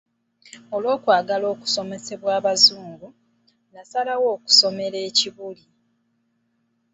Olw’okwagala okusomesebwa Abazungu, nasalawo okusomera e Kibuli.